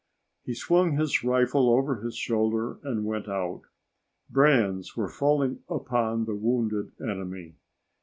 He swung his rifle over his shoulder and went out. Brands were falling upon the wounded enemy.